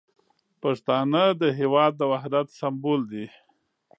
پښتانه د هیواد د وحدت سمبول دي.